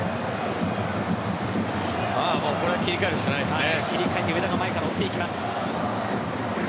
これは切り替えるしかないですね。